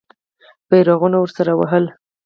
بیرغونه ورسره وهل.